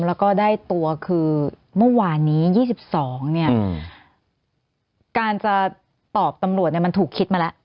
แล้วก็ได้ตัวคือเมื่อวานนี้๒๒เนี่ยการจะตอบตำรวจมันถูกคิดมาแล้ว